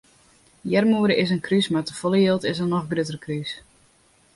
Earmoede is in krús mar te folle jild is in noch grutter krús.